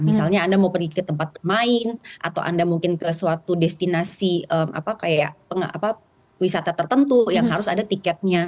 misalnya anda mau pergi ke tempat bermain atau anda mungkin ke suatu destinasi wisata tertentu yang harus ada tiketnya